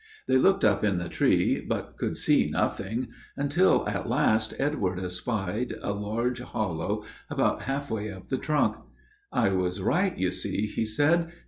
They looked up in the tree, but could see nothing, until, at last, Edward espied a large hollow about half way up the trunk. "I was right, you see," he said.